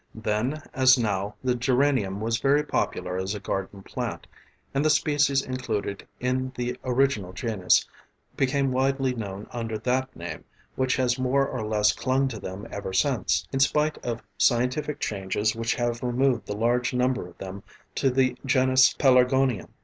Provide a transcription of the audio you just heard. Then as now the geranium was very popular as a garden plant, and the species included in the original genus became widely known under that name, which has more or less clung to them ever since, in spite of scientific changes which have removed the large number of them to the genus Pelargonium.